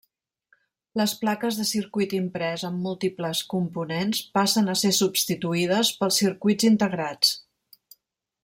Les plaques de circuit imprès amb múltiples components passen a ser substituïdes pels circuits integrats.